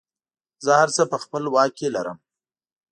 زه هر څه په خپله واک کې لرم.